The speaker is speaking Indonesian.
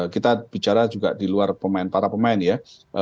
kita bicara juga di luar para pemain ya